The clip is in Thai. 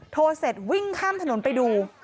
โทรเสร็จวิ่งข้ามถนนไปดู